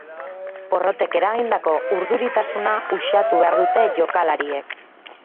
Porrotek eragindako urduritasuna uxatu behar dute jokalariek.